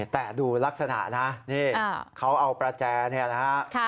แต่ดูลักษณะนะนี่เขาเอาประแจเนี่ยนะฮะ